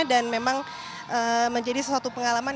dan memang menjadi sesuatu pengalaman